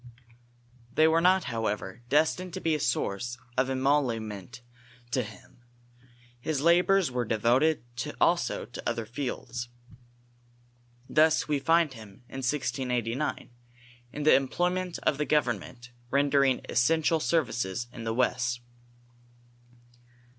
They were not, however, destined to be a source of emolument to Lim, His labors were devoted also to other fields. Thus we find hin^, in 1689, in the employment of the government, rendering essential services in the west.